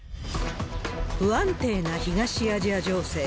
不安定な東アジア情勢。